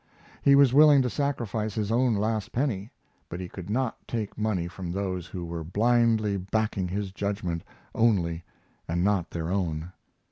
He was willing to sacrifice his own last penny, but he could not take money from those who were blindly backing his judgment only and not their own.